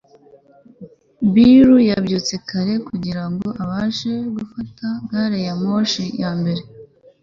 bill yabyutse kare kugirango abashe gufata gari ya moshi ya mbere